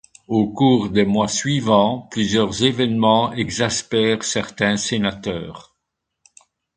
Au cours des mois suivants, plusieurs événements exaspèrent certains sénateurs.